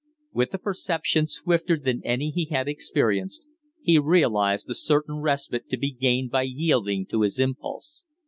With a perception swifter than any he had experienced, he realized the certain respite to be gained by yielding to his impulse.